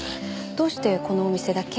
どうしてこのお店だけ？